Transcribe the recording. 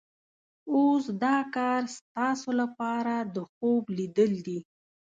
اوس دا کار ستاسو لپاره د خوب لیدل دي.